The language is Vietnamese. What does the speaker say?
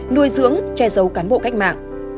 nuôi dưỡng che giấu cán bộ cách mạng